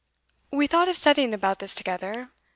We thought of setting about this together.